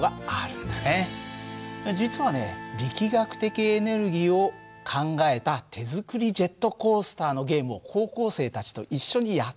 実はね力学的エネルギーを考えた手作りジェットコースターのゲームを高校生たちと一緒にやってきたんだ。